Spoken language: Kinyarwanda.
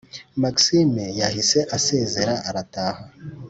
maxime yahise asezera arataha